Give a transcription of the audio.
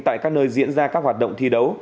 tại các nơi diễn ra các hoạt động thi đấu